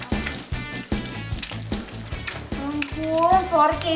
telur satu satunya gue makan pake apa